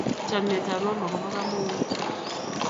chamiet ab mama ko bo kamangut